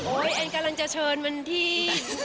โอ้ยแอนด์กำลังจะเชิญมันที่